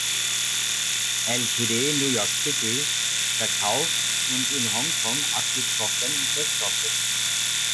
Ltd", New York City verkauft und in Hongkong abgebrochen und verschrottet.